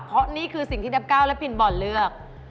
เพราะนี่คือสิ่งที่๙และปิ่นบอลเลือก